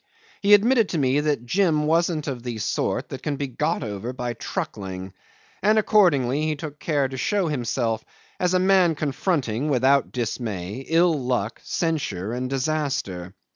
He admitted to me that Jim wasn't of the sort that can be got over by truckling, and accordingly he took care to show himself as a man confronting without dismay ill luck, censure, and disaster.